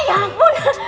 eh ya ampun